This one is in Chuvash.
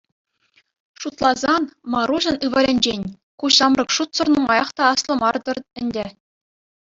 Шутласан, Маруҫӑн ывӑлӗнчен ку ҫамрӑк шутсӑр нумаях та аслӑ мар-тӑр ӗнтӗ.